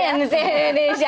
jangan doain kita aja